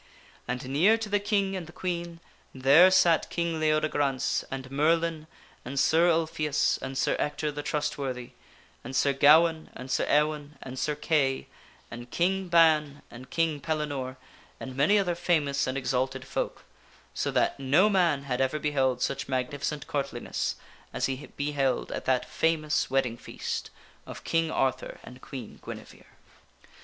And O f the feast near to the King and the Queen there sat King Leodegrance jgj^^^ and Merlin, and Sir Ulfius, and Sir Ector the trustworthy, and Sir Gawaine, and Sir Ewaine, and Sir Kay, and King Ban, and King Pellinore and many other famous and exalted folk, so that no man had i 4 2 THE WINNING OF A QUEEN ever beheld such magnificent courtliness as he beheld at that famous wedding feast of King Arthur and Queen Guinevere.